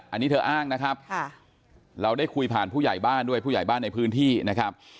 อันนี้เธออ้างนะครับเราได้คุยผ่านผู้ใหญ่บ้านด้วยผู้ใหญ่บ้านในพื้นที่นะครับ